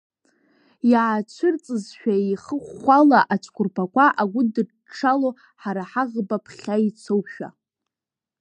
Иаацәырҵызшәа ихыхәхәала, ацәқәырԥақәа агәыдыҽҽало, ҳара ҳаӷба ԥхьа ицошәа.